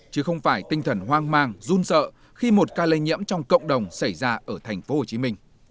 chứ không phải tinh thần hoang mang run sợ khi một ca lây nhiễm trong cộng đồng xảy ra ở tp hcm